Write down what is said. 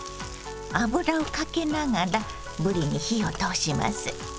油をかけながらぶりに火を通します。